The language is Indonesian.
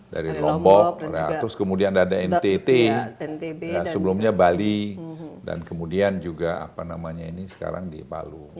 dari lombok terus kemudian ada ntt sebelumnya bali dan kemudian juga apa namanya ini sekarang di palu